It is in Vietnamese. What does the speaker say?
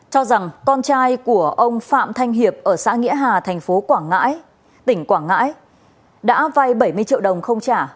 cho rằng con trai của ông phạm thanh hiệp ở xã nghĩa hà tỉnh quảng ngãi đã vay bảy mươi triệu đồng không trả